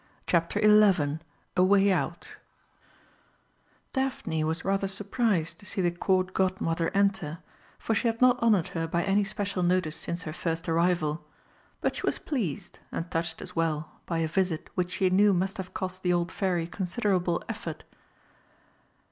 CHAPTER XI A WAY OUT Daphne was rather surprised to see the Court Godmother enter, for she had not honoured her by any special notice since her first arrival. But she was pleased, and touched as well, by a visit which she knew must have cost the old Fairy considerable effort.